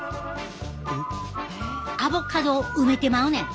アボカドを埋めてまうねん！